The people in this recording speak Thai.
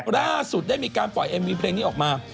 ล่าสุดได้มีการปล่อยเอ็มมีเพลงนี้ออกมา